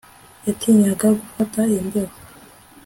Yatinyaga gufata imbeho